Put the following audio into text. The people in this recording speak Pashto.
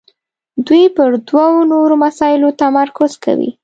دوی پر دوو نورو مسایلو تمرکز کوي.